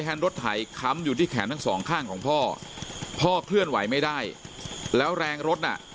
รถไถค้ำอยู่ที่แขนทั้งสองข้างของพ่อพ่อเคลื่อนไหวไม่ได้แล้วแรงรถน่ะ